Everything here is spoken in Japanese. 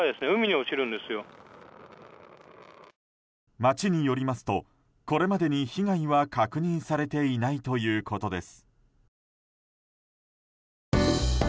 町によりますとこれまでに被害は確認されていないということです。